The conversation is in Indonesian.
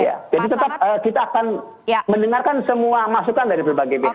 jadi tetap kita akan mendengarkan semua masukan dari berbagai pihak